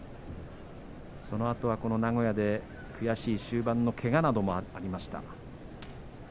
そのあとは名古屋で悔しい終盤のけがなどもあったりしました。